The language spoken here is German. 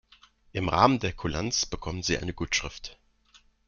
Im Rahmen der Kulanz bekommen Sie eine Gutschrift.